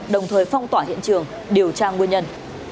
đồng thời phong tỏa hiện trường điều tra nguyên nhân